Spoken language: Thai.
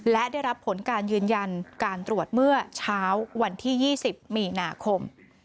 และได้รับผลการยืนยันการตรวจเมื่อเช้าวันที่๒๐มีนาคม